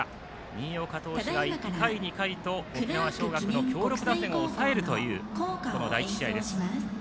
新岡投手が１回、２回と沖縄尚学の強力打線を抑えるという、この第１試合です。